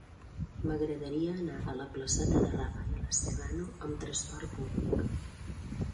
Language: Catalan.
M'agradaria anar a la placeta de Rafaela Serrano amb trasport públic.